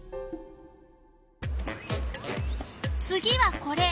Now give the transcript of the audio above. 次はこれ。